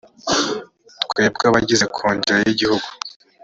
twebwe abagize kongere y igihugu